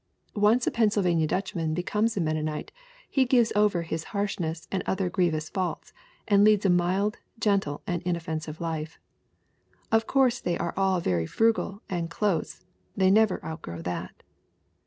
Once a Penn sylvania Dutchman becomes a Mennonite, he gives over his harshness and other grievous faults and leads a mild, gentle and inoffensive life. Of course they are all very frugal and 'close' they never outgrow that.